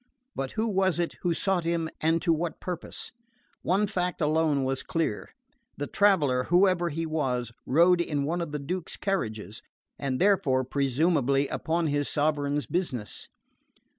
But who was it who sought him and to what purpose? One fact alone was clear: the traveller, whoever he was, rode in one of the Duke's carriages, and therefore presumably upon his sovereign's business.